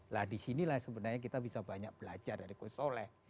lah disinilah sebenarnya kita bisa banyak belajar dari gusole